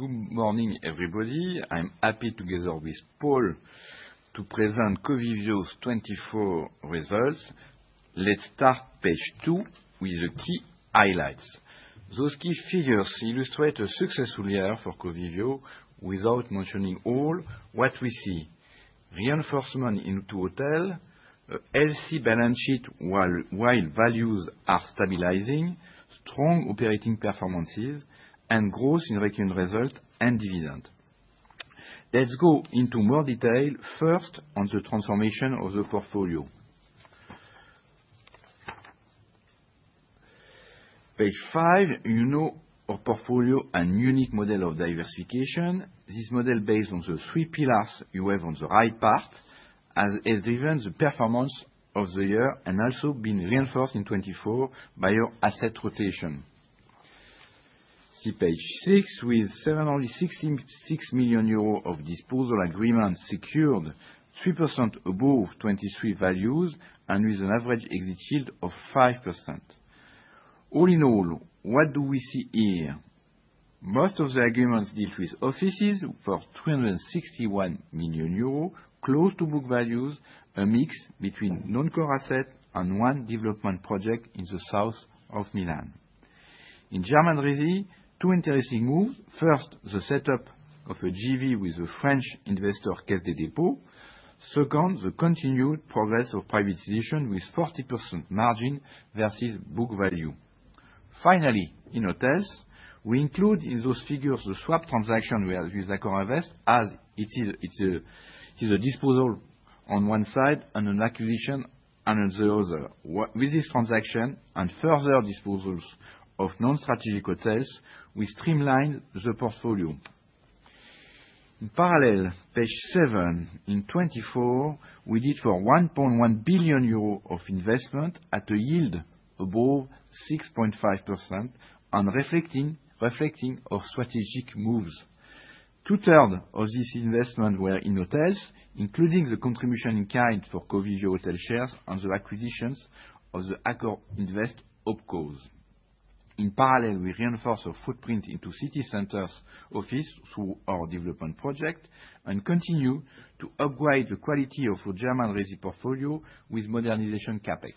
Good morning everybody. I'm happy together with Paul to present Covivio 2024 results. Let's start page two with the key highlights. These key figures illustrate a successful year for Covivio without mentioning all what we see. Reinforcement in total healthy balance sheet while values are stabilizing, strong operating performances and growth in recurring result and dividend. Let's go into more detail. First, on the transformation of the portfolio. Page 5. You know our portfolio and unique model of diversification. This model, based on the three pillars you have on the right part, has even driven the performance of the year and also been reinforced in 2024 by our asset rotation. See page 6. With 766 million euros of disposal agreements secured, 3% above 2023 values, and with an average exit yield of 5%. All in all, what do we see here? Most of the agreements deal with offices for 361 million euros close to book values. A mix between non-core assets and one development project in the south of Milan. In German Resi, to interesting moves. First, the setup of a JV with Caisse des Dépôts. second, the continued progress of privatization with 40% margin versus book value. Finally, in hotels we include in those figures the swap transaction we had with AccorInvest as it is a disposal on one side and an acquisition on the other. With this transaction and further disposals of non-strategic hotels, we streamline the portfolio in parallel. Page 7. In 2024 we did for 1.1 billion euro of investment at a yield above 6.5%. Reflecting our strategic moves, 2/3 of these investments were in hotels, including the contribution in kind for Covivio Hotels shares and the acquisitions of the AccorInvest OpCos. In parallel, we reinforce our footprint into city center offices through our development project and continue to upgrade the quality of the German residential portfolio with modernization CapEx.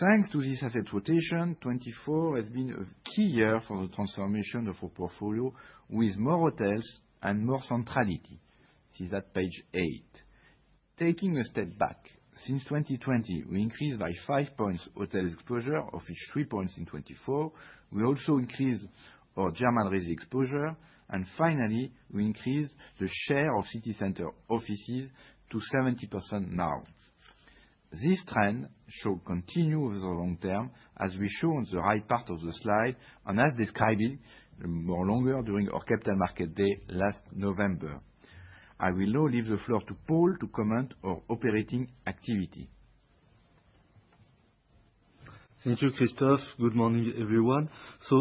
Thanks to this, asset rotation 2024 has been a key year for the transformation of our portfolio with more hotels and more centrality. See that page 8. Taking a step back, since 2020 we increased by 5 points hotel exposure of each 3 points. In 2024 we also increased our German residential exposure and finally we increased the share of city center offices to 70%. Now this trend should continue over the long term as we show on the right part of the slide and as described longer during our capital market day last November. I will now leave the floor to Paul to comment our operating activity. Thank you, Christophe. Good morning everyone. So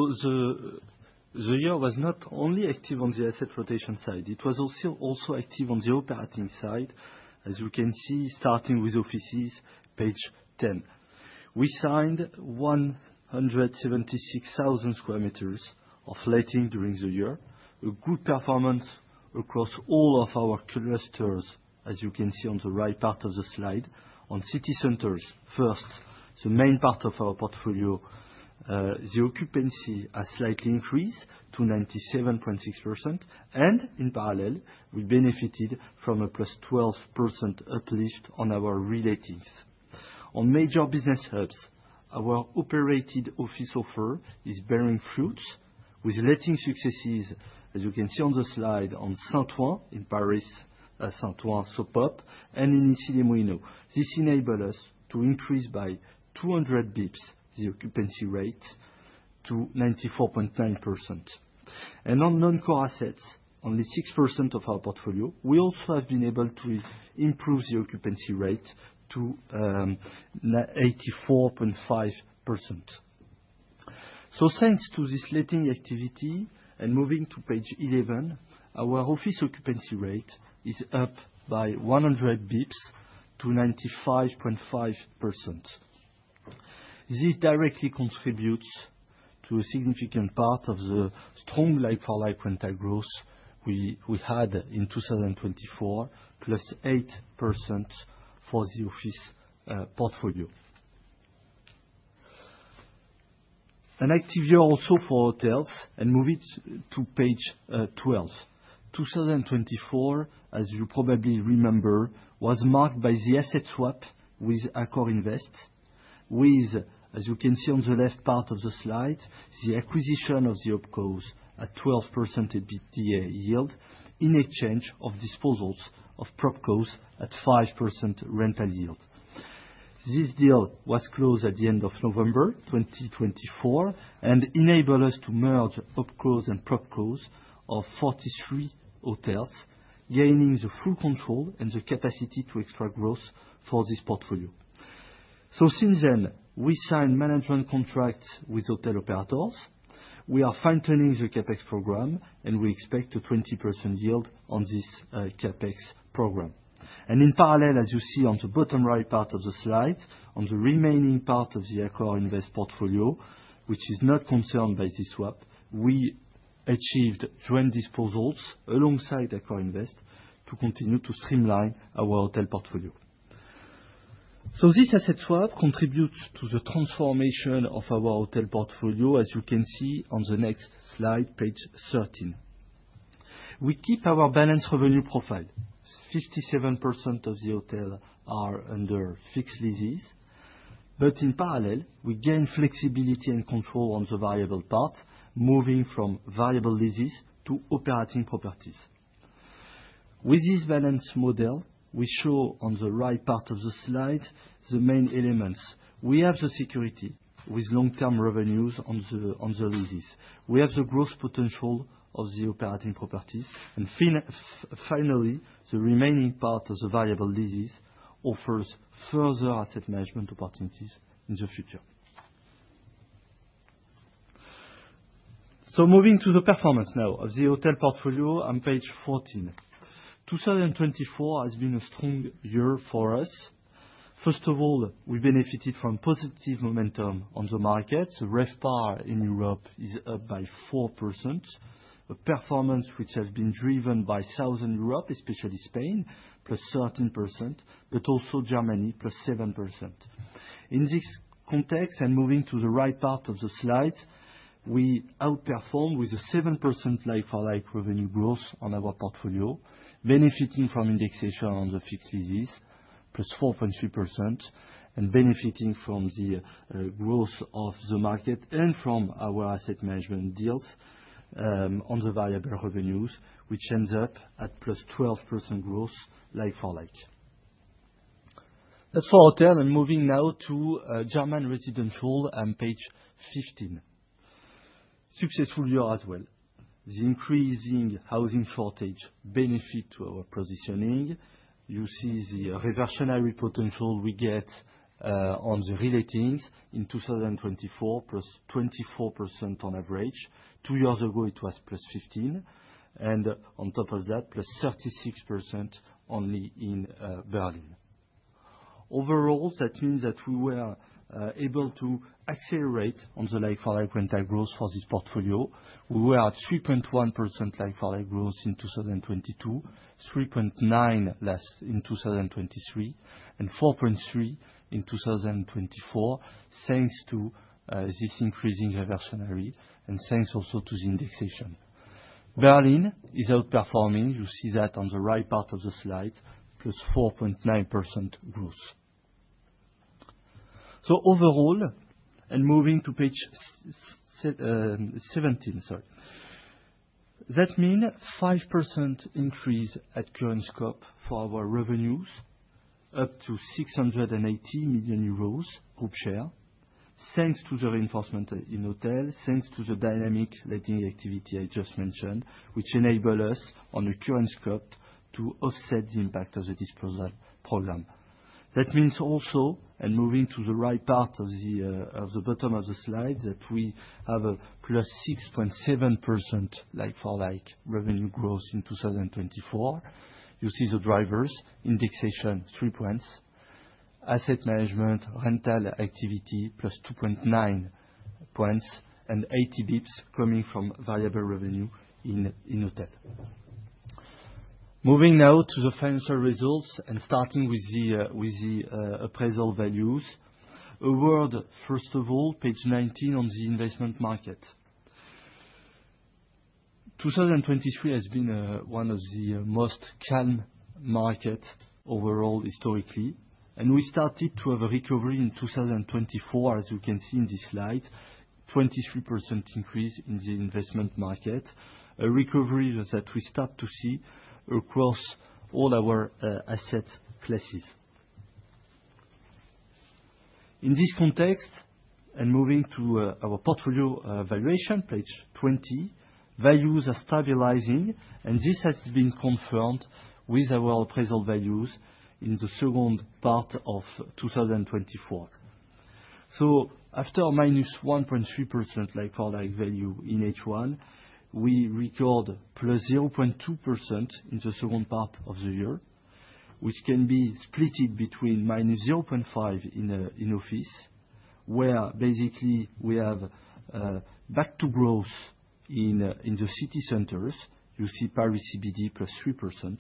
the year was not only active on the asset rotation side, it was also active on the operating side as we can see starting with offices, page 10, we signed 176,000 square meters of letting during the year. A good performance across all of our clusters. As you can see on the right part of the slide on city centers first the main part of our portfolio, the occupancy has slightly increased to 97.6% and in parallel we benefited from a plus 12% uplift on our relatings on major business hubs. Our operated office offer is bearing fruit with letting successes as you can see on the slide on Saint-Ouen in Paris, Saint-Ouen, So Pop and in Issy-les-Moulineaux. This enabled us to increase by 200 basis points the occupancy rate to 94.9% and on non-core assets only 6% of our portfolio. We also have been able to improve the occupancy rate to 84.5%. Thanks to this letting activity and moving to page 11, our office occupancy rate is up by 100 basis points to 95.5%. This directly contributes to a significant part of the strong like for like rental growth we had in 2024 plus 8% for the office portfolio. An active year also for hotels, and move it to page 12, 2024, as you probably remember, was marked by the asset swap with AccorInvest with, as you can see on the left part of the slide, the acquisition of the OpCos at 12% EBITDA yield in exchange of disposals of PropCos at 5% rental yield. This deal was closed at the end of November 2024 and enabled us to merge OpCos and PropCos of 43 hotels gaining the full control and the capacity to extract growth for this portfolio, so since then we signed management contracts with hotel operators. We are fine-tuning the CapEx program, and we expect a 20% yield on this CapEx program. And in parallel, as you see on the bottom right part of the slide, on the remaining part of the AccorInvest portfolio which is not concerned by the swap, we achieved joint disposals alongside AccorInvest to continue to streamline our hotel portfolio. So this asset swap contributes to the transformation of our hotel portfolio. As you can see on the next slide, page 13, we keep our balanced revenue profile. 57% of the hotels are under fixed leases. But in parallel, we gain flexibility and control on the variable part, moving from variable leases to operating properties. With this balanced model, we show on the right part of the slide the main elements. We have the security with long-term revenues on the leases. We have the growth potential of the operating properties, and finally, the remaining part of the variable leases offers further asset management opportunities in the future. So, moving to the performance now of the hotel portfolio on page 14, 2024 has been a strong year for us. First of all, we benefited from positive momentum on the markets. RevPAR in Europe is up by 4%, a performance which has been driven by Southern Europe, especially Spain plus 13% but also Germany +7%. In this context and moving to the right part of the slide, we outperformed with a 7% like-for-like revenue growth on our portfolio benefiting from indexation on the fixed fees +4.3% and benefiting from the growth of the market and from our asset management deals on the variable revenues which ends up at +12% growth. Like-for-like. Let's turn now to German residential on page 15. Successful year as well. The increasing housing shortage benefits our positioning. You see the reversionary potential we get on the relettings in 2024 +24% on average. Two years ago it was +15% and on top of that plus 36% only in Berlin. Overall that means that we were able to accelerate on the like-for- like rental growth for this portfolio. We were at 3.1% like-for-like growth in 2022, 3.9% in 2023 and 4.3% in 2024. Thanks to this increasing reversionary and thanks also to the indexation, Berlin is outperforming. You see that on the right part of the slide, +4.9% growth. So, overall, and moving to page. 17, sorry, that means 5% increase at constant scope for our revenues up to 680 million euros group share thanks to the reinforcement in hotels thanks to the dynamic letting activity I just mentioned which enables us on the current scope to offset the impact of the disposal program. That means also and moving to the right part of the bottom of the slide that we have a +6.7% for revenue growth in 2024. You see the drivers indexation 3 points, asset management rental activity +2.9 points and 80 bps coming from variable revenue in hotels. Moving now to the financial results and starting with the appraisal values, a word first of all, page 19 on the investment market. 2023 has been one of the most calm market overall historically, and we started to have a recovery in 2024 as you can see in this slide, 23% increase in the investment market. A recovery that we start to see across all our asset classes. In this context and moving to our portfolio valuation, page 20, values are stabilizing, and this has been confirmed with our appraisal values in the second part of 2024, so after -1.3% like-for-like value in H1, we record +0.2% in the second part of the year, which can be split between -0.5% in office, where basically we have back to growth in the city centers, you see Paris CBD +3%,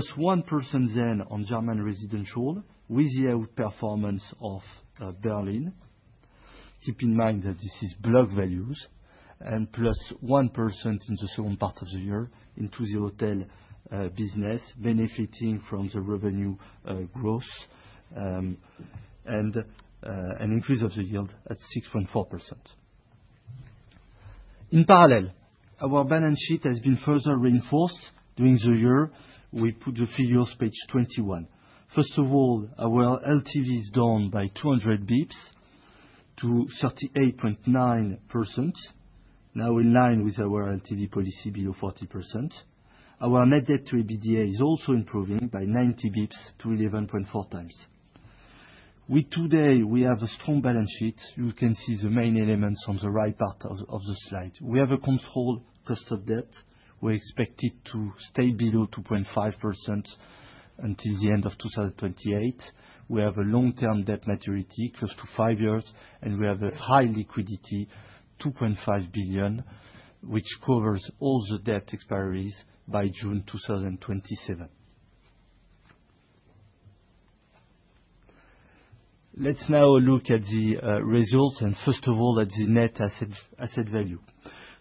+1%, then on German residential with the outperformance of Berlin. Keep in mind that this is block values and +1% in the second part of the year into the hotel business benefiting from the revenue growth. An increase of the yield at 6.4%. In parallel, our balance sheet has been further reinforced during the year. We have the figures on page 21. First of all, our LTV is down by 200 bits to 38.9% now in line with our LTV policy below 40%. Our net debt to EBITDA is also improving by 90 bits to 11.4 times. Today we have a strong balance sheet. You can see the main elements on the right part of the slide. We have a controlled cost of debt. We expect it to stay below 2.5% until the end of 2028. We have a long term debt maturity close to five years and we have a high liquidity of 2.5 billion which covers all the debt expiries by June 2027. Let's now look at the results and first of all at the net asset value.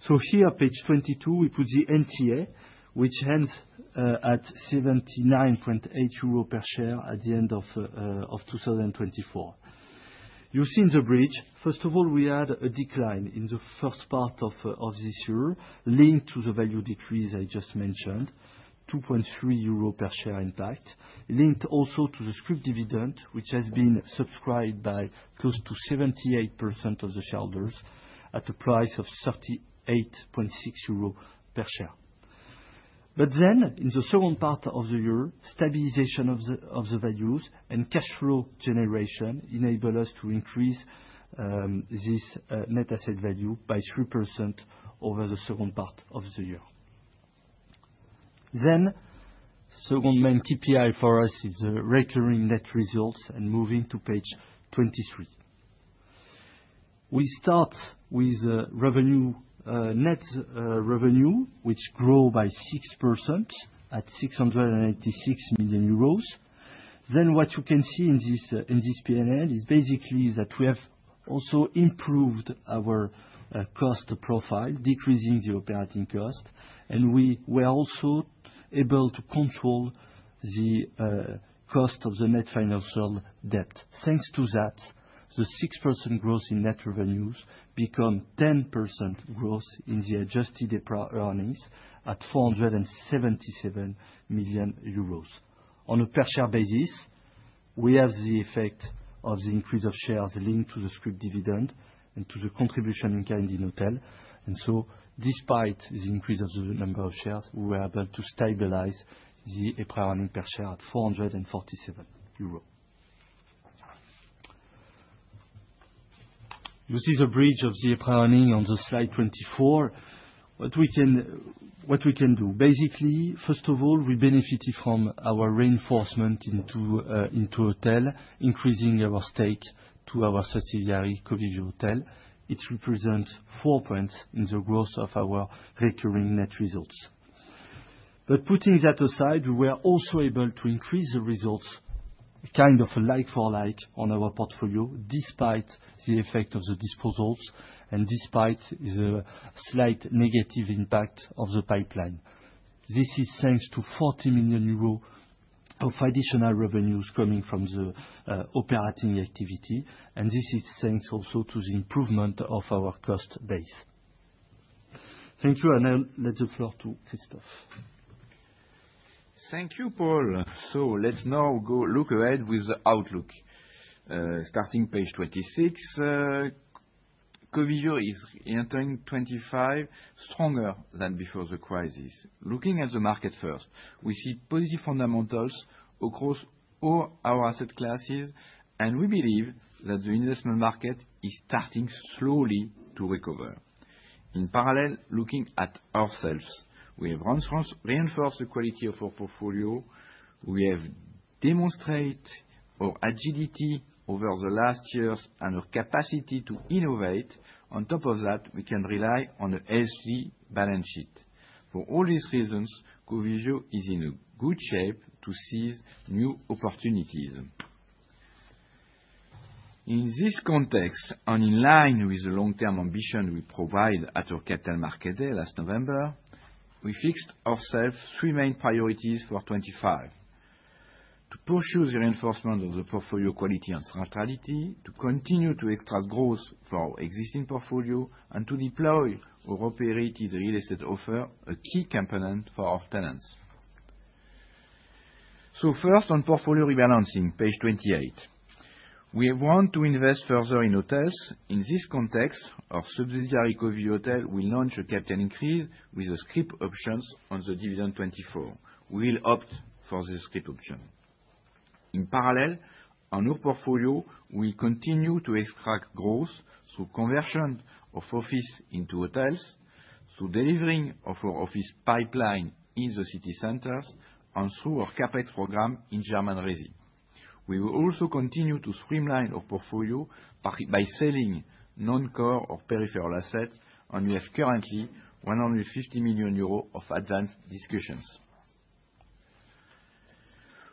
So here page 22 we put the NTA which ends at 79.8 euro per share at the end of 2024. You see in the bridge, first of all we had a decline in the first part of this year linked to the value decrease. I just mentioned 2.3 euro per share impact, linked also to the scrip dividend which has been subscribed by close to 78% of the shareholders at a price of 38.6 euros per share, but then in the second part of the year stabilization of the values and cash flow generation enable us to increase this net asset value by 3% over the second part of the year. Then second main TPI for us is recurring net results. And moving to page 23. We start with revenue net revenue which grow by 6% at 686 million euros. Then what you can see in this P&L is basically that we have also improved our cost profile, decreasing the operating cost and we were also able to control the cost of the net financial debt. Thanks to that the 6% growth in net revenues become 10% growth in the adjusted EPRA earnings at 477 million euros. On a per share basis, we have the effect of the increase of shares linked to the scrip dividend and to the contribution in Covivio Hotels. And so, despite the increase of the number of shares, we were able to stabilize the EPRA earnings per share at 4.47 euros. You see the bridge of the planning on the slide 24. What we can do. Basically, first of all, we benefited from our reinforcement into hotel increasing our stake to our subsidiary Covivio Hotels. It represents four points in the growth of our recurring net results. But putting that aside, we were also able to increase the results kind of a like-for-like on our portfolio, despite the effect of the disposals and despite the slight negative impact of the pipeline. This is thanks to 40 million euros of additional revenues coming from the operating activity. And this is thanks also to the improvement of our cost base. Thank you. And now give the floor to Christophe. Thank you, Paul. Let's now look ahead with the outlook. Starting page 26, Covivio is entering 2025 stronger than before the crisis. Looking at the market first, we see positive fundamentals across all our asset classes. We believe that the investment market is starting slowly to recover. In parallel, looking at ourselves, we have reinforced the quality of our portfolio. We have demonstrated our agility over the last years and our capacity to innovate. On top of that, we can rely on the healthy balance sheet. For all these reasons, Covivio is in good shape to seize new opportunities. In this context, and in line with the long-term ambition we provide at our Capital Market Day last November, we fixed ourselves three main priorities for 2025 to pursue the reinforcement of the portfolio quality and centrality to continue to extract growth for our existing portfolio and to deploy our operated real estate offer, a key component for our tenants. First, on portfolio rebalancing page 28, we want to invest further in hotels. In this context, our subsidiary Covivio Hotels will launch a capital increase with the scrip options on the dividend. In 2024 we will opt for the scrip option. In parallel, our hotel portfolio will continue to extract growth through conversion of offices into hotels, through delivering of our office pipeline in the city centers and through our CapEx program in German Resi. We will also continue to streamline our portfolio by selling non-core or peripheral assets. We currently have 150 million euros of advanced discussions.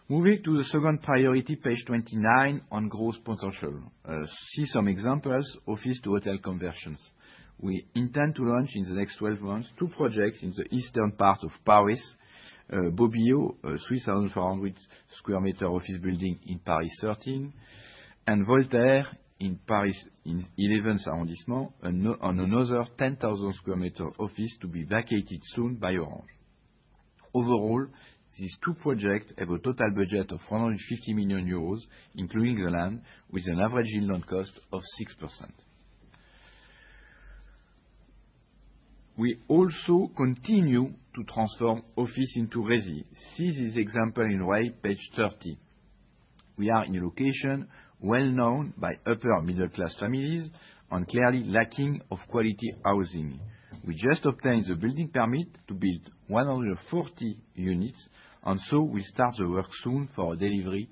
Moving to the second priority, page 29, on growth potential. See some examples. Office to hotel conversions we intend to launch in the next 12 months: two projects in the eastern part of Paris. Bobillot, a 3,400 sq m office building in Paris 13, and Voltaire in Paris 11 arrondissement, and another 10,000 sq m office to be vacated soon by Orange. Overall, these two projects have a total budget of 150 million euros including the land with an average all-in cost of 6%. We also continue to transform office into Resi. See this example in page 30. We are in location well known by upper-middle-class families and clearly lacking of quality housing. We just obtained the building permit to build 140 units and so we start the work soon for delivery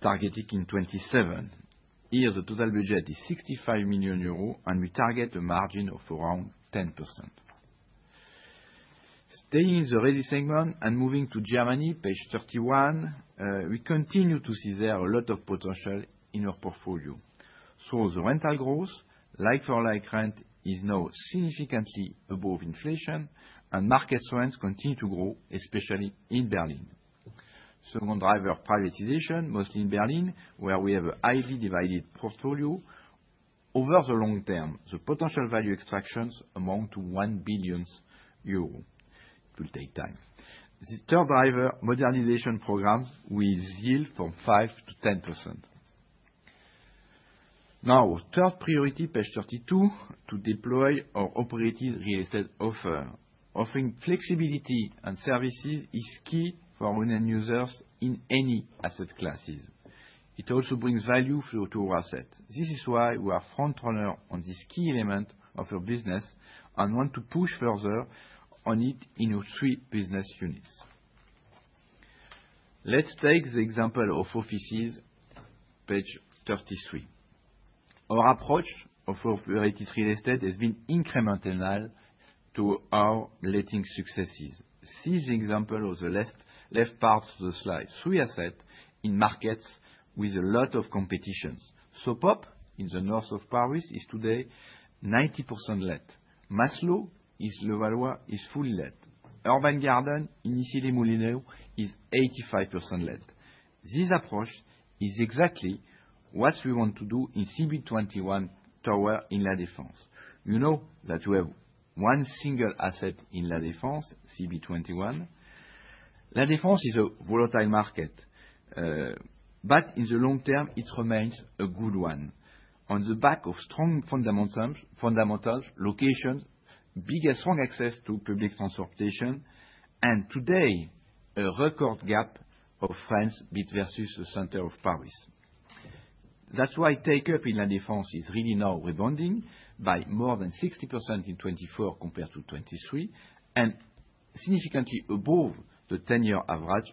targeted in 2027. Here the total budget is 65 million euros and we target a margin of around 10%. Staying in the Resi segment and moving to Germany. Page 31. We continue to see there a lot of potential in our portfolio. So the rental growth like-for-like rent is now significantly above inflation and market trends continue to grow, especially in Berlin. Second driver privatization mostly in Berlin where we have a highly diversified portfolio. Over the long term, the potential value extractions amount to 1 billion euros. It will take time. The third driver modernization program with yield from 5% to 10%. Now, third priority. Page 32 to deploy our operating real estate offer. Offering flexibility and services is key for our end users in any asset classes. It also brings value through to our assets. This is why we are front-runner on this key element of our business and want to push further on it in our three business units. Let's take the example of offices. Page 33. Our approach of operated real estate has been incremental to our letting successes. See the example of the left part of the slide. Three assets in markets with a lot of competition. Sopop in the north of Paris is today 90% let. Maslo in Levallois is fully let. Urban Garden in Issy-les-Moulineaux is 85% let. This approach is exactly what we want to do in CB21 tower in La Défense. You know that we have one single asset in La Défense, CB21. La Défense is a volatile market, but in the long term it remains a good one. On the back of strong fundamentals, location's biggest, strong access to public transportation. And today a record gap in rents versus the center of Paris. That's why take-up in La Défense. Défense is really now rebounding by more than 60% in 2024 compared to 2023 and significantly above the 10-year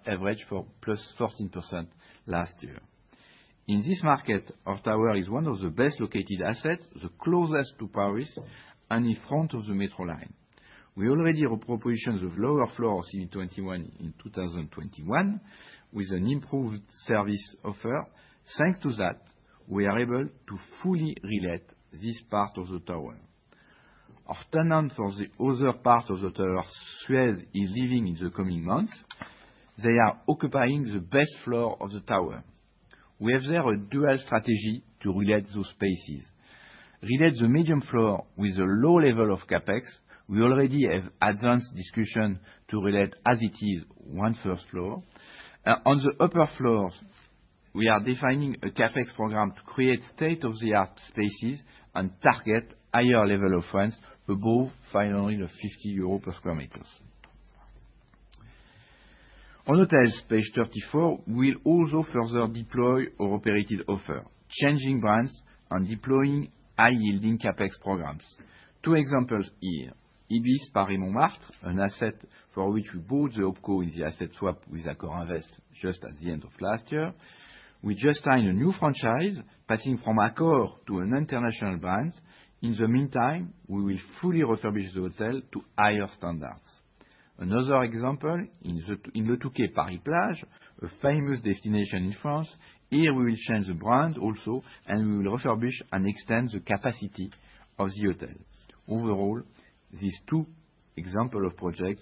average for +14% last year. In this market, our tower is one of the best located assets, the closest to Paris and in front of the metro line. We already repositioned the lower floors in 2021 with an improved service offer. Thanks to that, we are able to fully re-let this part of the tower. Our tenant for the other part of the tower, Suez, is leaving in the coming months. They are occupying the best floor of the tower. We have there a dual strategy to re-let those spaces. Re-let the medium floor with a low level of CapEx. We already have advanced discussions to re-let as is the first floor on the upper floor. We are designing a CapEx program to create state-of-the-art spaces and target higher level of rents above. Finally, the 50 euros per sq m. On hotels page 34, will also further deploy our operated offer, changing brands and deploying high yielding CapEx programs. Two examples here. Ibis Paris Montmartre, an asset for which we bought the OpCo in the asset swap with AccorInvest just at the end of last year, we just signed a new franchise, Passing from Accor to an international brand. In the meantime, we will fully refurbish the hotel to higher standards. Another example in Le Touquet-Paris-Plage, a famous destination in France. Here we will change the brand also and we will refurbish and extend the capacity of the hotel. Overall, these two examples of projects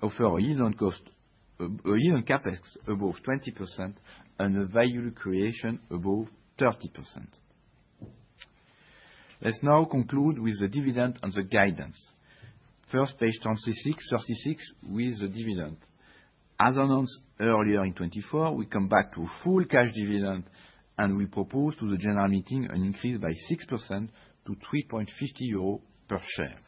offer a yield CapEx above 20% and a value creation above 30%. Let's now conclude with the dividend and the guidance. First, page 36, with the dividend as announced earlier in 2024, we come back to full cash dividend and we propose to the general meeting an increase by 6% to 3.50 euro per share.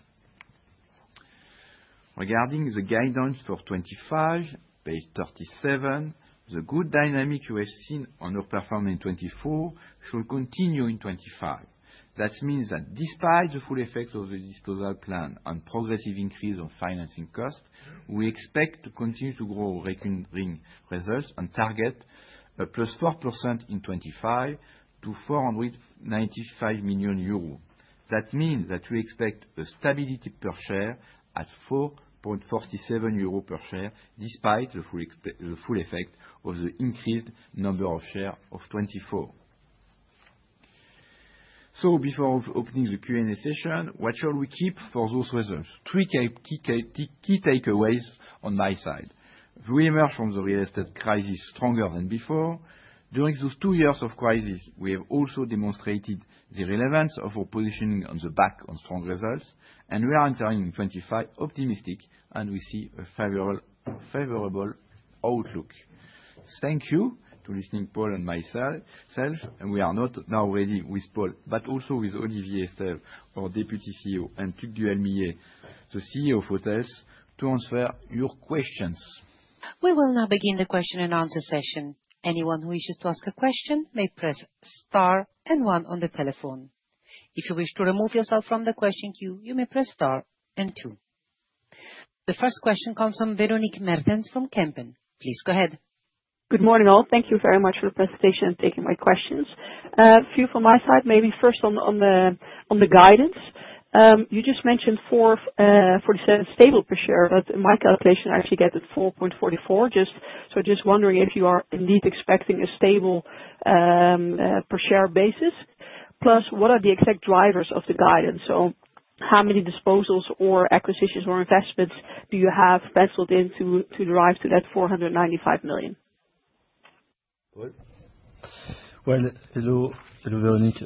Regarding the guidance for 2025, page 37, the good dynamic you have seen underperformed in 2024 should continue in 2025. That means that despite the full effects of the total plan and progressive increase of financing costs, we expect to continue to grow recurring results and target +4% in 2025 to 495 million euros. That means that we expect a stability per share at 4.47 euros per share despite the full effect of the increased number of shares of 2024. So, before opening the Q&A session, what shall we keep for those results? Three key takeaways. On my side, we emerged from the real estate crisis stronger than before. During those two years of crisis, we have also demonstrated the relevance of our positioning on the back of strong results. And we are entering in 2025 optimistic and we see a favorable outlook. Thank you for listening, Paul and myself. And we are now ready with Paul, but also with Olivier Estève, our Deputy CEO, and Tugdual Millet, the CEO of hotels. To answer your questions, we will now. Begin the question and answer session. Anyone who wishes to ask a question may press star and one on the telephone. If you wish to remove yourself from the question queue, you may press star and 2. The first question comes from Véronique Meertens from Van Lanschot Kempen. Please go ahead. Good morning all. Thank you very much for the presentation and taking my questions. A few from my side, maybe. First on the guidance you just mentioned 4.47 stable per share, but in my calculation I actually get at 4.44. So just wondering if you are indeed expecting a stable per share basis. Plus what are the exact drivers of the guidance? So how many disposals or acquisitions or investments do you have penciled in to drive to that 495 million? Hello Véronique.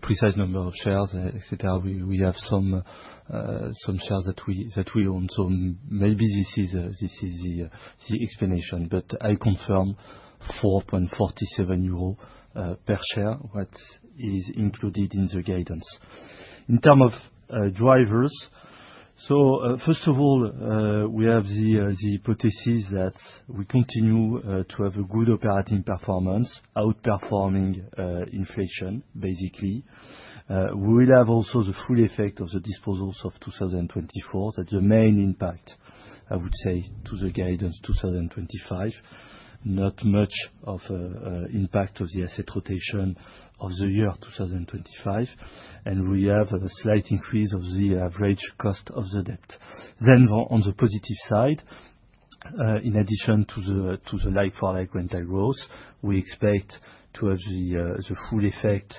Precise number of shares, etc. We have some shares that we own, so maybe this is the explanation. I confirm 4.47 euro per share. What is included in the guidance in terms of drivers? First of all, we have the hypothesis that we continue to have a good operating performance outperforming inflation. Basically, we will have also the full effect of the disposals of 2024 that the main impact, I would say, to the guidance 2025, not much of impact of the asset rotation of the year 2025. We have a slight increase of the average cost of the debt. On the positive side, in addition to the like for like rental growth, we expect to have the full effect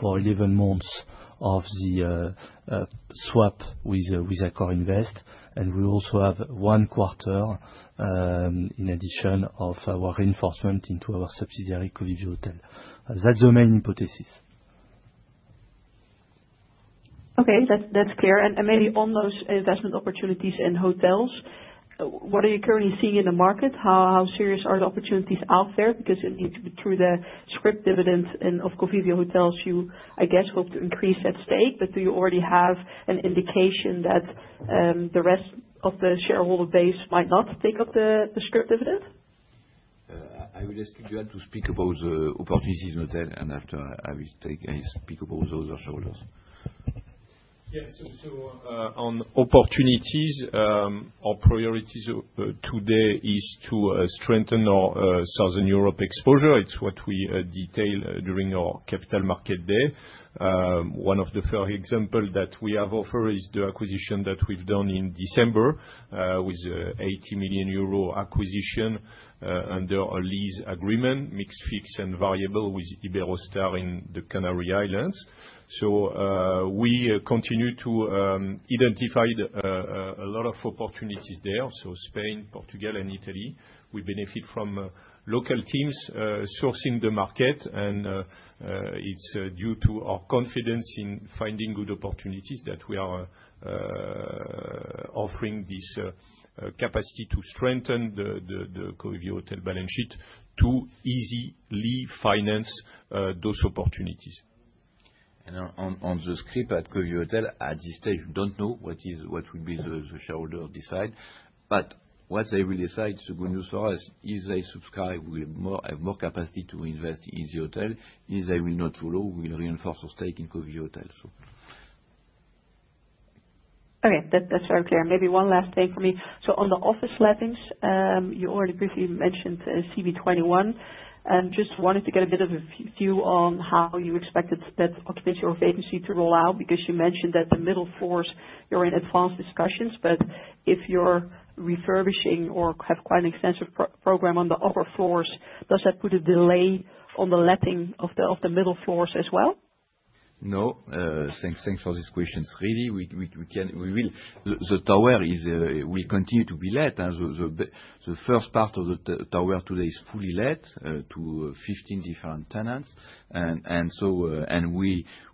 for 11 months of the swap with AccorInvest. We also have one quarter. In addition of our reinforcement into our subsidiary Covivio Hotels. That's the main hypothesis. Okay, that's clear. And maybe on those investment opportunities in hotels, what are you currently seeing in the market? How serious are the opportunities out there? Because through the Scrip dividend of Covivio Hotels, you I guess hope to increase that stake. But do you already have an indication that the rest of the shareholder base might not take up the Scrip dividend? I would ask to speak about the opportunities and after I will speak about those shareholders. Yes, so on opportunities, our priorities today is to strengthen our Southern Europe exposure. It's what we detail during our capital market day. One of the first example that we have offered is the acquisition that we've done in December with 80 million euro. Acquisition under a lease agreement, mixed fixed and variable with Iberostar in the Canary Islands. So we continue to identify a lot of opportunities there. So Spain, Portugal and Italy we benefit from local teams sourcing the market. And it's due to our confidence in finding good opportunities that we are. Offering this capacity to strengthen the Covivio Hotels balance sheet to easily finance those opportunities. On the scrip at Covivio Hotels at this stage we don't know what the shareholders will decide, but whatever they say. It's the good news for us. If they subscribe, we have more capacity to invest in the hotels and they will not follow. We reinforce the stake in Covivio Hotels. Okay, that's very clear. Maybe one last thing for me. So on the office lettings, you already briefly mentioned CB21 and just wanted to get a bit of a view on how you expected that occupancy or vacancy to roll out. Because you mentioned that the middle floors, you're in advanced discussions, but if you're refurbishing or have quite an extensive program on the upper floors, does that put a delay on the letting of the middle floors as well? No. Thanks for these questions, really. The tower will continue to be let. The first part of the tower today is fully let to 15 different tenants.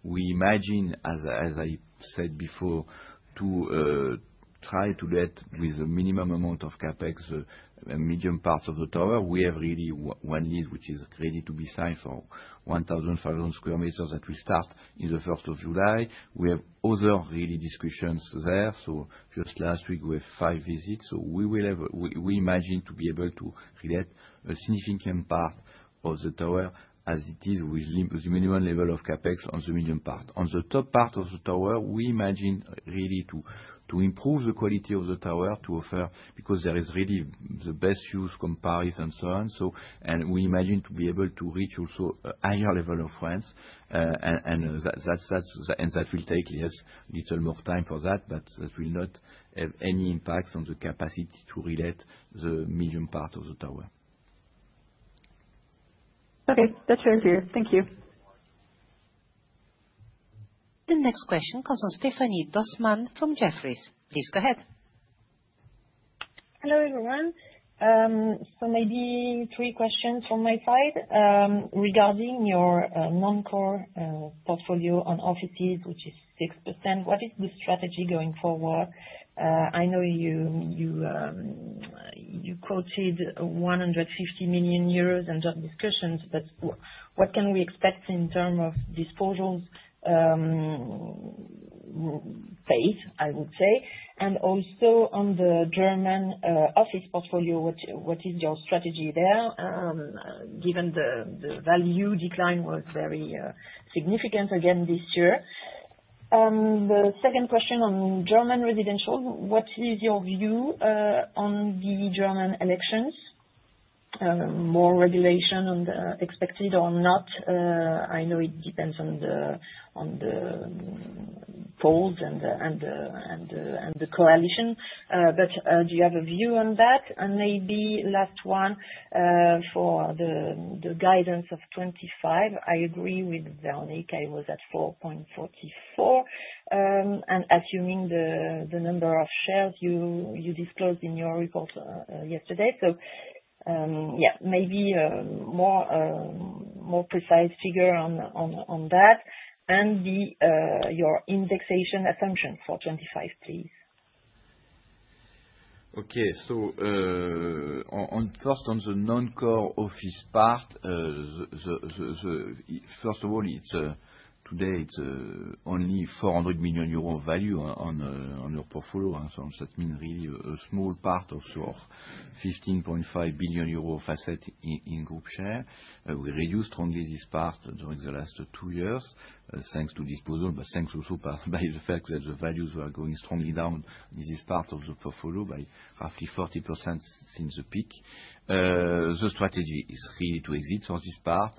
We imagine, as I said before, to try to deal with a minimum amount of CapEx middle parts of the tower. We have really one lease which is ready to be signed for 1,500 sq m that will start in the 1st of July. We have other really discussions there. Just last week we had five visits. We imagine to be able to create a significant part of the tower as it is with the minimum level of CapEx on the middle part. On the top part of the tower, we imagine really to improve the quality of the tower to offer because there is really the best use comparison so on. We imagine to be able to reach also a higher level of rent. And that will take little more time for that. But that will not have any impact on the capacity to relet the middle part of the tower. Okay, that's very clear. Thank you. The next question comes from Stéphanie Dossmann from Jefferies. Please go ahead. Hello everyone. So maybe three questions from my side regarding your non-core portfolio on offices which is 6%, what is the strategy going forward? I know. You quoted 150 million euros and job discussions, but what can we expect in terms of disposals? I would say, and also on the German office portfolio, what is your strategy there? Given the value decline was very significant again this year. The second question on German residential, what is your view on the German elections? More regulation expected or not? I know it depends on the polls and the coalition, but do you have a view on that and maybe the last one for the guidance of 2025. I agree with Wernicke. I was at 4.44 and assuming the number of shares you disclosed in your report yesterday. So yeah, maybe a more precise figure on that and your indexation assumption for 2025, please. Okay, so first on the non-core office part. First of all, it's today, it's only 400 million euros value on your portfolio. That means really a small part of your 15.5 billion euro of facet in group share. We reduced only this part during the last two years thanks to disposals. But thanks also in part by the fact that the values are going strongly down in this part of the portfolio by roughly 40% since the peak. The strategy is really to exit on this part.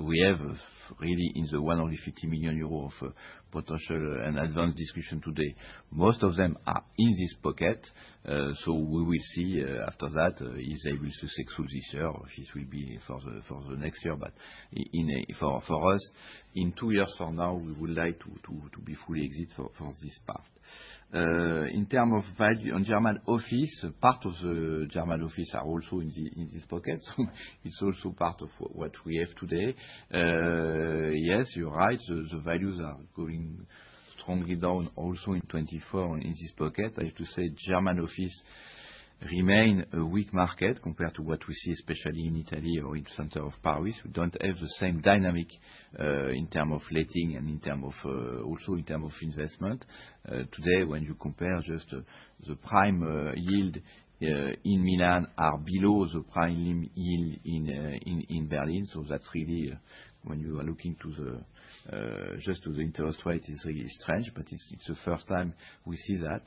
We have really 150 million euro of potential and advanced disposition today. Most of them are in this pocket. So we will see after that he is able to secure this. This will be for the next year, but for us, in two years from now we would like to be fully exit for this part in terms of value on German office, part of the German office are also in this pocket. It's also part of what we have today. Yes, you're right. The values are going strongly down also in 2024 in this pocket. I have to say German offices remain a weak market compared to what we see especially in Italy or in center of Paris. We don't have the same dynamic in terms of letting and in terms of also in terms of investment today when you compare just the prime yield in Milan are below the prime yield in Berlin. So that's really when you are looking to the interest rate is really strange. But it's. It's the first time we see that.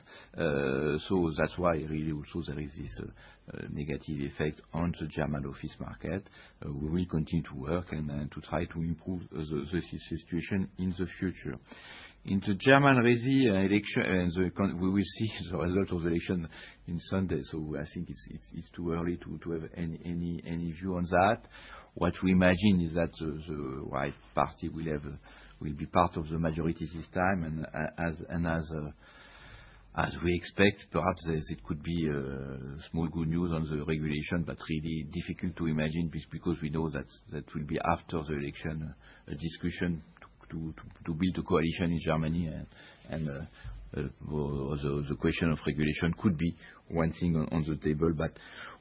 So that's why really also there is this negative effect on the German office market. We will continue to work and to try to improve the situation in the future in the German Resi election. We will see a lot of elections on Sunday. So I think it's too early to have any view on that. What we imagine is that whichever party will be part of the majority this time and. As we expect, perhaps it could be small good news on the regulation, but really difficult to imagine because we know that will be after the election a discussion to build a coalition in Germany. The question of regulation could be one thing on the table. But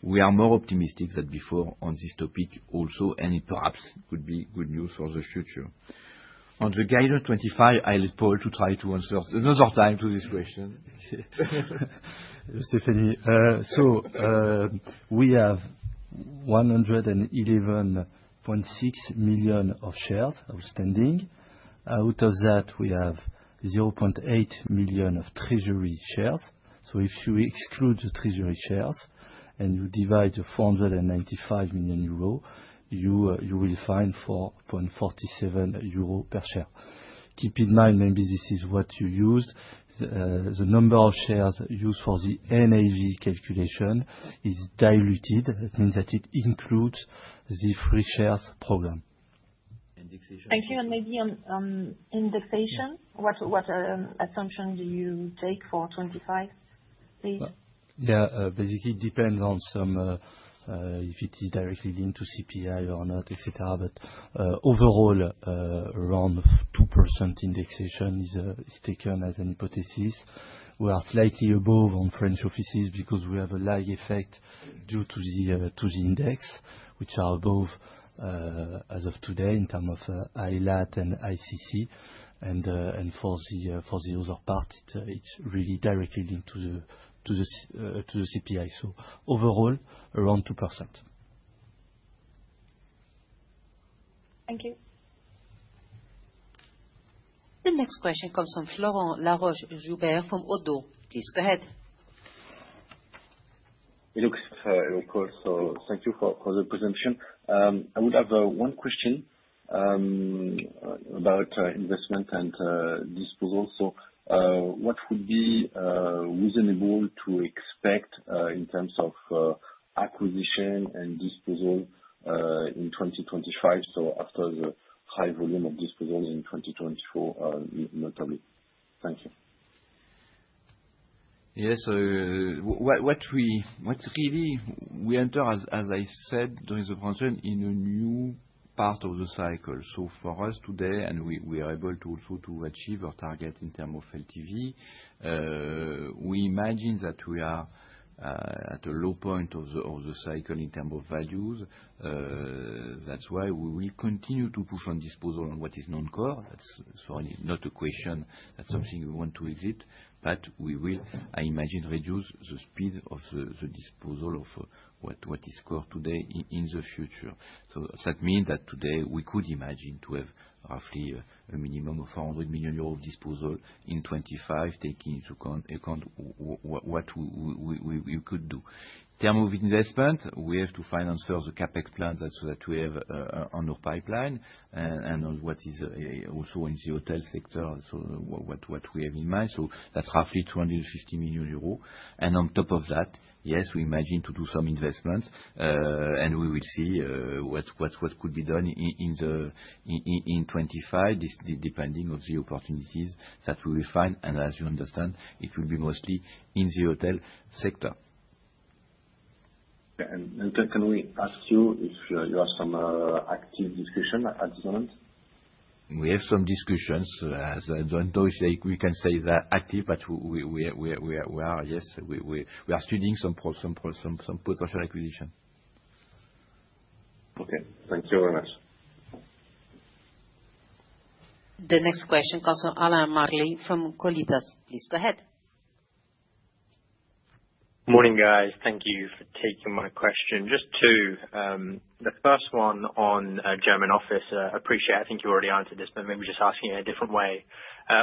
we are more optimistic than before on this topic also and perhaps could be good news for the future on the guidance 2025. I let Paul to try to answer another time to this question. Stéphanie. So we have 111.6 million of shares outstanding. Out of that we have 0.8 million of treasury shares. So if you exclude the treasury shares and you divide 495 million euro, you will find 4.47 euro per share. Keep in mind, maybe this is what you used. The number of shares used for the NAV calculation is diluted. That means that it includes the free shares program. Thank you. And maybe on indexation, what assumption do you take for 2025? Yes, basically it depends on some if it is directly linked to CPI or not, et cetera. But overall around 2% indexation is taken as a hypothesis. We are slightly above on French offices because we have a lag effect due to the index which are above as of today in terms of ILAT and ICC. And for the other part it's really directly linked to the CPI. So overall around 2%. Thank you. The next question comes from Florent Laroche-Joubert from ODDO BHF. Please go ahead. Looks so. Thank you for the presentation. I would have one question. About investment and disposal. So what would be reasonable to expect in terms of acquisition and disposal in 2025? So after the high volume of disposal in 2024, notably. Thank you. Yes. We enter, as I said, in a new part of the cycle. So for us today, and we are able to also achieve our target in terms of LTV, we imagine that we are at a low point of the cycle in terms of values. That's why we will continue to put on disposal on what is non-core. That's not a question, that's something we want to exit. But we will, I imagine, reduce the speed of the disposal of what is called today in the future. So that means that today we could imagine to have roughly a minimum of 400 million euros disposal in 2025, taking into account what we could do in terms of investment, we have to finance further capex plans so that we have under pipeline and what is also in the hotel sector what we have in mind. That's roughly 250 million euros. On top of that, yes, we imagine to do some investment and we will see what could be done in 2025, depending on the opportunities that we will find. As you understand, it will be mostly in the hotel sector. Can we ask you if you have some active discussion at the moment? We have some discussions, we can say they're active, but yes, we are studying some potential acquisition. Okay, thank you very much. The next question from Allan Marley from Colitas. Please go ahead. Morning, guys, thank you for taking my question. Just two, the first one on German office. Appreciate, I think you already answered this, but maybe just asking a different way.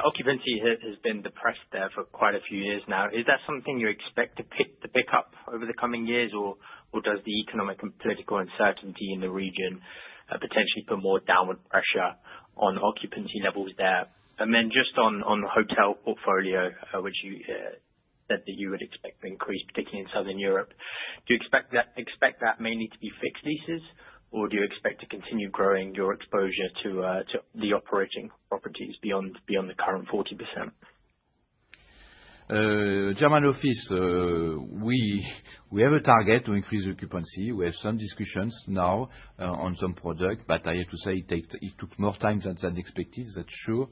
Occupancy has been depressed there for quite a few years now. Is that something you expect to pick up over the coming years or does the economic and political uncertainty in the region potentially put more downward pressure on occupancy levels there? And then just on the hotel portfolio which you said that you would expect to increase, particularly in Southern Europe, do you expect that mainly to be fixed leases or or do you expect to continue growing your exposure to the operating properties beyond the current 40%? German office, we have a target to increase occupancy. We have some discussions now on some project. But I have to say it took more time than expected. That's sure.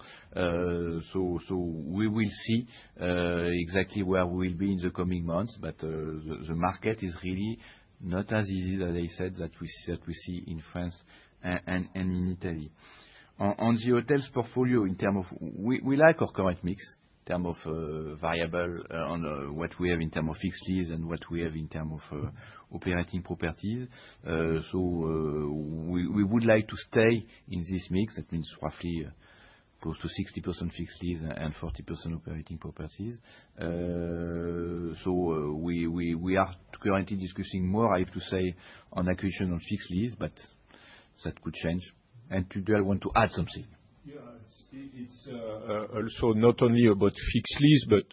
So we will see exactly where we will be in the coming months. But the market is really not as easy as I said that we see in France and in Italy. On the hotel's portfolio in terms of. We like our current mix in terms of variable on what we have in terms of fixed lease and what we have in terms of operating properties. So we would like to stay in this mix. That means roughly close to 60% fixed lease and 40% operating properties. So we are currently discussing more, I have to say, on acquisition on fixed lease. But that could change and I want to add something. Yeah, it's also not only about fixed lease, but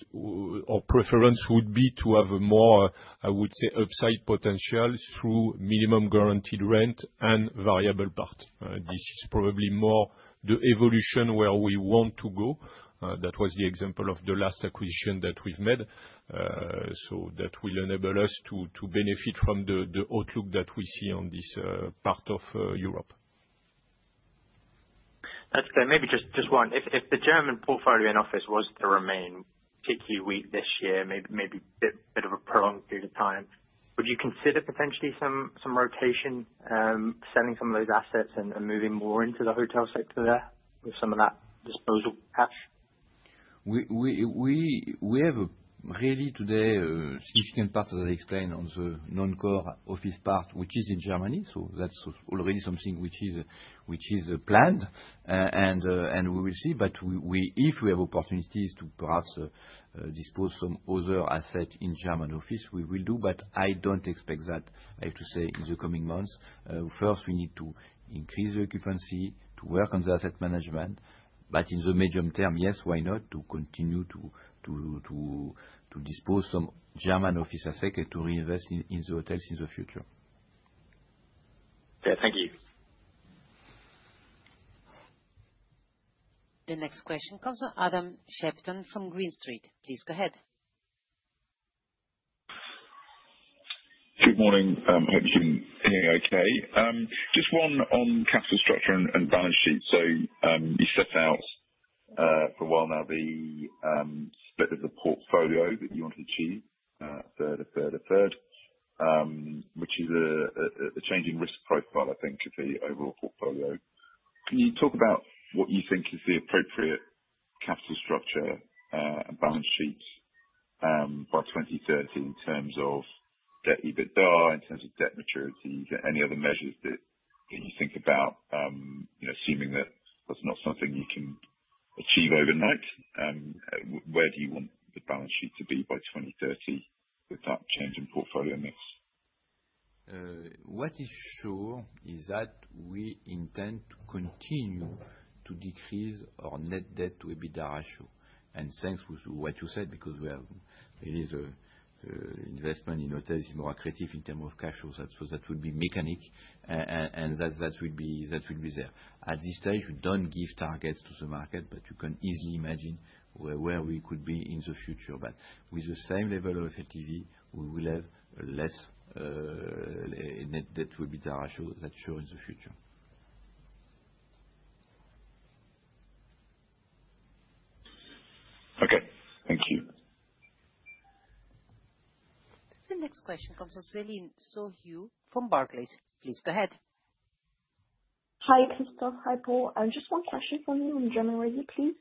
our preference would be to have a more I would say upside potential through minimum guaranteed rent and variable part. This is probably more the evolution where we want to go. That was the example of the last acquisition that we've made. So that will enable us to benefit from the outlook that we see on this part of Europe. That's good. Maybe just one. If the German portfolio in office was to remain particularly weak this year, maybe a bit of a prolong period of time, would you consider potentially some rotation selling some of those assets and moving more into the hotel sector there with some of that disposal cash? We have really today significant part, as I explained on the non-core office part which is in Germany. So that's already something which is planned and we will see. But if we have opportunities to perhaps dispose some other assets in German office, we will do. But I don't expect that. I have to say in the coming months first we need to increase the occupancy to work on the asset management. But in the medium term, yes, why not to continue to. Dispose some German offices to reinvest in the hotels in the future. Thank You. The next question comes from Adam Shapton from Green Street. Please go ahead. Good morning. Hope you're doing okay. Just one on capital structure and balance sheet. So you set out for a while now the split of the portfolio that you want to achieve: a third, a third, a third, which is a change in risk profile, I think, of the overall portfolio. Can you talk about what you think is the appropriate capital structure and balance sheet by 2030 in terms of debt EBITDA, in terms of debt maturities, any other measures that you think about? Assuming that that's not something you can achieve overnight, where do you want the balance sheet to be by 2030 with that change in portfolio mix? What is sure is that we intend to continue to decrease our net debt to EBITDA ratio, and thanks to what you said, because the investment in hotels is more accretive in terms of cash flow, so that would be mechanical and that will be there. At this stage we don't give targets to the market, but you can easily imagine where we could be in the future, but with the same level of LVT, we will have less. Net debt to EBITDA ratio. That shows in the future. Okay, thank you. The next question comes from Céline Soo-Hu from Barclays. Please go ahead. Hi, Christophe. Hi, Paul. Just one question for me on German Resi, please.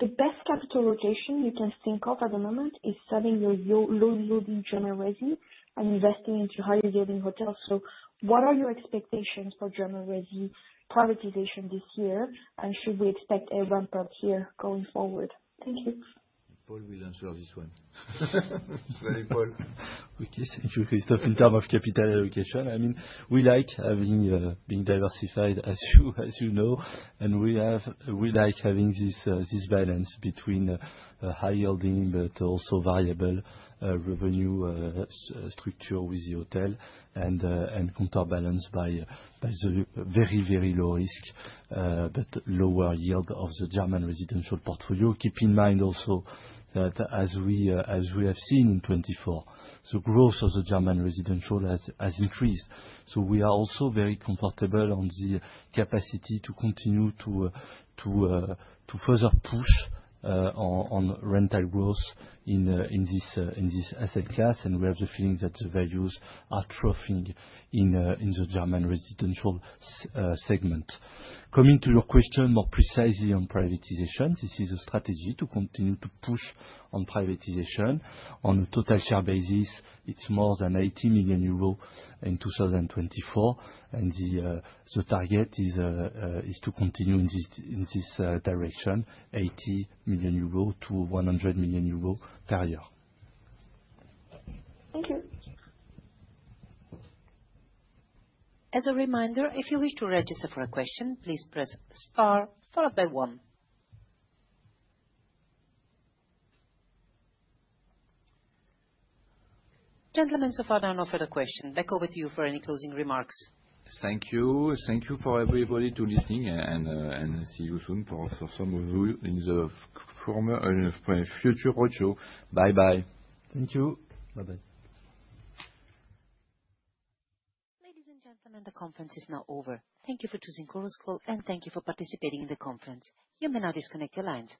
The best capital location you can think of at the moment is selling your low yielding German Resi and investing into higher yielding hotels. So what are your expectations for German Resi privatization this year? And should we expect a ramp-up here going forward? Thank you. Paul, will answer this one. In terms of capital allocation, I mean, we like being diversified, as you know, and we like having this balance between high yielding but also variable revenue structure with the hotel and counterbalance by very, very low risk but lower yield of the German residential portfolio. Keep in mind also that as we have seen in 2024, the growth of the German residential has increased, so we are also very comfortable on the capacity to continue to further push on rental growth in this asset class, and we have the feeling that the values are troughing in the German residential segment. Coming to your question more precisely on privatization, this is a strategy to continue to push on privatization. On a total share basis, it's more than 80 million euros in 2024, and the target is to continue in this direction. 80 million euros to 100 million euros per year. Thank you. As a reminder, if you wish to register for a question, please press star followed by one. Gentlemen, so far. Now, for the question back over to you for any closing remarks. Thank you. Thank you to everybody for listening and see you soon. For some of you in the forthcoming roadshow, bye bye. Thank you. Bye bye. Ladies and gentlemen, the conference is now over. Thank you for choosing Chorus Call and thank you for participating in the conference. You may now disconnect your lines.